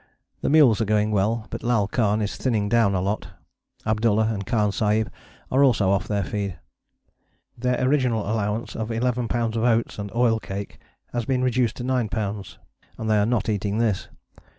The mules are going well, but Lal Khan is thinning down a lot: Abdullah and Khan Sahib are also off their feed. Their original allowance of 11 lbs. oats and oilcake has been reduced to 9 lbs., and they are not eating this.